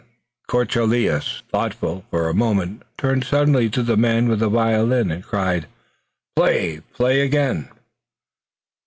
De Courcelles, thoughtful for a moment, turned suddenly to the man with the violin and cried: "Play! Play again!"